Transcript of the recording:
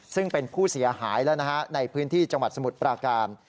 ซึ่งเป็นผู้เสียหายแล้วนะฮะในพื้นที่จังหวัดสมุทรปราการ